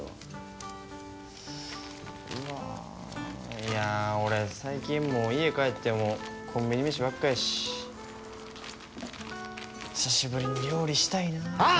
いや俺最近もう家帰ってもコンビニ飯ばっかやし久しぶりに料理したいなぁ。